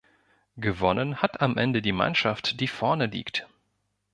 Gewonnen hat am Ende die Mannschaft, die vorne liegt.